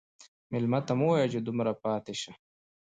مېلمه ته مه وایه چې دومره پاتې شه.